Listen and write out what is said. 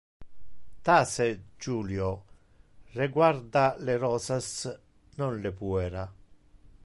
Tace Julio! Reguarda le rosas, non le puera!